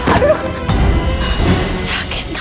astagfirullahaladzim ya allah